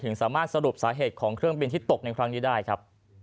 สามารถสรุปสาเหตุของเครื่องบินที่ตกในครั้งนี้ได้ครับ